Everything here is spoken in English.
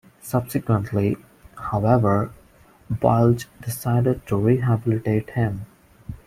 Subsequently, however, Bilge decided to rehabilitate him.